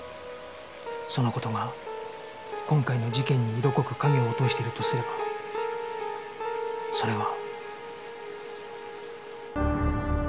その事が今回の事件に色濃く影を落としているとすればそれは